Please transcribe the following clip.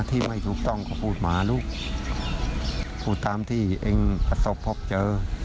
ที่ไม่ถูกต้องก็พูดมาลูกพูดตามที่เองประสบพบเจอ